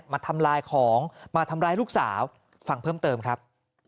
มาทำลายของมาทำร้ายลูกสาวฟังเพิ่มเติมครับ